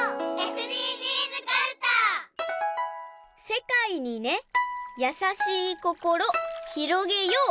「せかいにねやさしいこころひろげよう」。